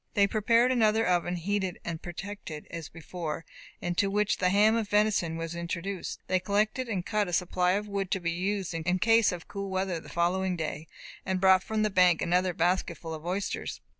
They prepared another oven, heated and protected as before, into which the ham of venison was introduced. They collected and cut a supply of wood to be used in case of cool weather the following day, and brought from the bank another basket full of oysters.